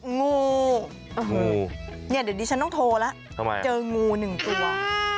งูโอ้โหเนี่ยเดี๋ยวดิฉันต้องโทรแล้วเจองูหนึ่งตัว